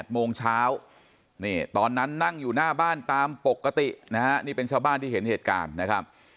โมงเช้านี่ตอนนั้นนั่งอยู่หน้าบ้านตามปกตินะฮะนี่เป็นชาวบ้านที่เห็นเหตุการณ์นะครับ